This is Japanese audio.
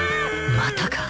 またか。